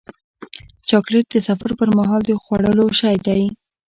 چاکلېټ د سفر پر وخت د خوړلو شی دی.